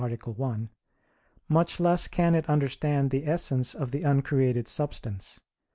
1), much less can it understand the essence of the uncreated substance.